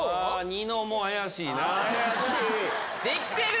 ニノも怪しいな。